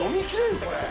これ。